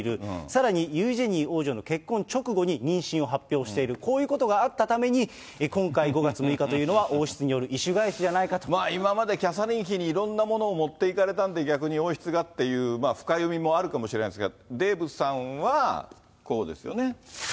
さらに、ユージェニー王女の結婚直後に妊娠を発表している、こういうことがあったために、今回５月６日というのは、今までキャサリン妃にいろんなものを持っていかれたんで、逆に王室がという深読みもあるかもしれないんですが、デーブさんはこうですよね。